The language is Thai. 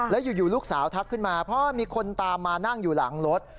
แล้วอยู่ลูกสาวทักขึ้นมาเพราะว่ามีคนตามมานั่งอยู่หลังรถ